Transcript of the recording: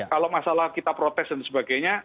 kalau masalah kita protes dan sebagainya